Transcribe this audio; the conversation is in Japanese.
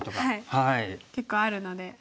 はい結構あるので。